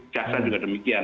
caksa juga demikian